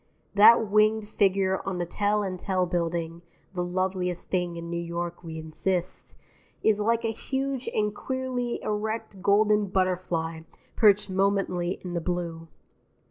That winged figure on the Tel and Tel Building (the loveliest thing in New York, we insist) is like a huge and queerly erect golden butterfly perched momently in the blue.